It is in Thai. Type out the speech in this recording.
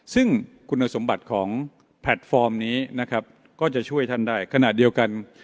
ซึ่งคุณสมบัติของแพลตฟอร์มนี้นะครับก็จะช่วยท่านได้ขณะเดียวกัน